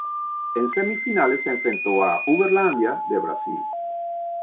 En semifinales se enfrentó a Uberlândia de Brasil.